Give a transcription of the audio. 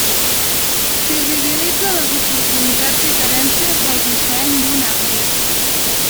Visibilitza les oportunitats i carències del disseny d'un àmbit.